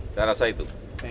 saya rasa itu